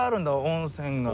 温泉が。